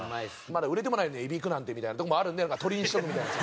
まだ売れてもないのにエビいくなんてみたいなとこもあるんで鳥にしとくみたいな。